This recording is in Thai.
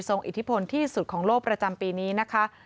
อิทธิพลที่สุดของโลกประจำปีนี้นะคะ